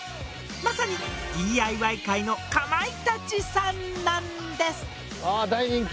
まさにＤＩＹ界のかまいたちさんなんです。ああ。